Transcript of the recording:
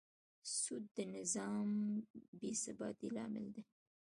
سود د نظام بېثباتي لامل دی.